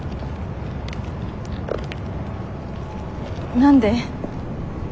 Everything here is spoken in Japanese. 何で？